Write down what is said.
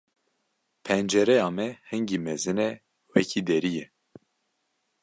Pencereya me hingî mezin e wekî derî ye.